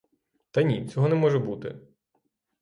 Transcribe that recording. Так ні, цього не може бути!